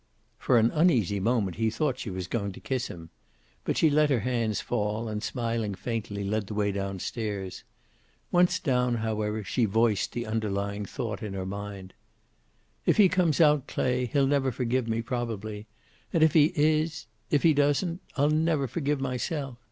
For an uneasy moment he thought she was going to kiss him. But she let her hands fall, and smiling faintly, led the way downstairs. Once down, however, she voiced the under lying thought in her mind. "If he comes out, Clay, he'll never forgive me, probably. And if he is if he doesn't, I'll never forgive myself.